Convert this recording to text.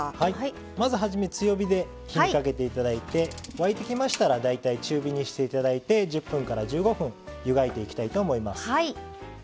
まずはじめ強火で火にかけて頂いて沸いてきましたら大体中火にして頂いて１０分から１５分湯がいていきたいと思います。